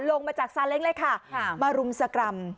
ลงมาจากซาเล้งเลยค่ะมารุมสกรรม